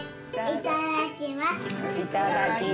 いただきます。